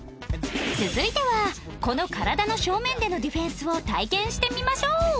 続いてはこの体の正面でのディフェンスを体験してみましょう